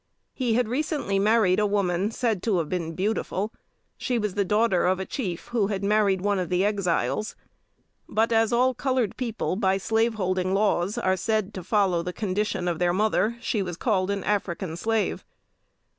He had recently married a woman said to have been beautiful. She was the daughter of a chief who had married one of the Exiles; but as all colored people by slaveholding laws are said to follow the condition of the mother, she was called an African slave.